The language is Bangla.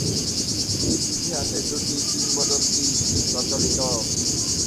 সৃষ্টির ইতিহাসে দুটি কিংবদন্তি প্রচলিত।